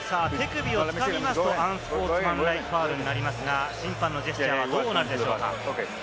手首をつかみますとアンスポーツマンライクファウルにありますが、審判のジェスチャーはどうなんでしょうか？